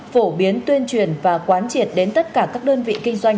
phổ biến tuyên truyền và quán triệt đến tất cả các đơn vị kinh doanh